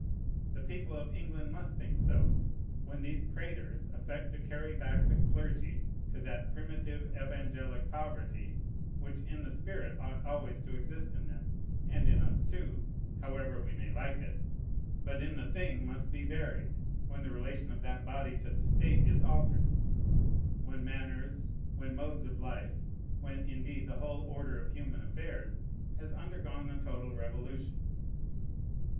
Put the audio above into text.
The people of England must think so, when these praters affect to carry back the clergy to that primitive evangelic poverty which in the spirit ought always to exist in them, (and in us, too, however we may like it,) but in the thing must be varied, when the relation of that body to the state is altered, when manners, when modes of life, when indeed the whole order of human affairs, has undergone a total revolution.